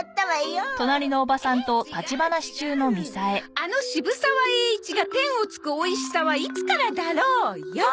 「あの渋沢栄一が天をつくおいしさはいつからだろう？」よ！